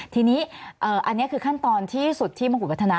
ทีนี้อันนี้คือขั้นตอนที่สุดที่มงกุฎวัฒนา